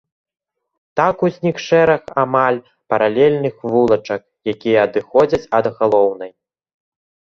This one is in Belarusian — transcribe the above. Так узнік шэраг амаль паралельных вулачак, якія адыходзяць ад галоўнай.